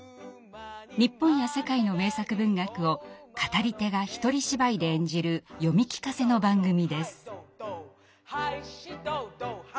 日本や世界の名作文学を語り手がひとり芝居で演じる「読み聞かせ」の番組です。